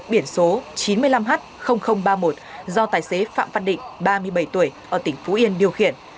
biển số chín mươi năm h ba mươi một do tài xế phạm văn định ba mươi bảy tuổi ở tỉnh phú yên điều khiển